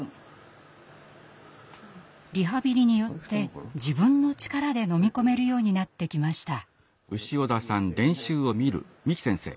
リハビリによって自分の力で飲み込めるようになってきました。